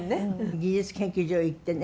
技術研究所へ行ってね